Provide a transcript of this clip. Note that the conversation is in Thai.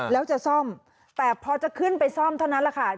แล้วจะซ่อมแต่พอจะขึ้นไปซ่อมเท่านั้นแหละค่ะ